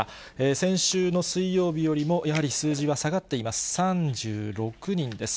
先週の水曜日よりもやはり数字は下がっています。